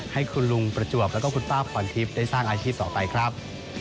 ให้คุณลุงประจวบแล้วก็คุณป้าพรทิพย์ได้สร้างอาชีพต่อไปครับ